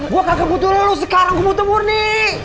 gua kagak butuh lu sekarang gua butuh murni